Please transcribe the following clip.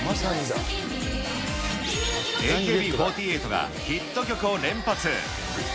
ＡＫＢ４８がヒット曲を連発。